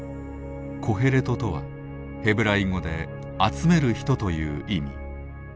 「コヘレト」とはヘブライ語で「集める人」という意味。